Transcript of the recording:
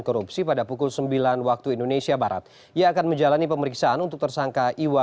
korupsi pada pukul sembilan waktu indonesia barat ia akan menjalani pemeriksaan untuk tersangka iwa